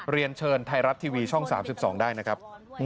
เรียนเชิญไทยรัฐทีวีช่อง๓๒ได้นะครับ